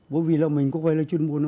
bởi vì là mình có quay lên chuyên môn